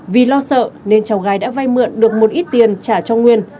vì lo sợ nên cháu gái đã vay mượn được một ít tiền trả cho nguyên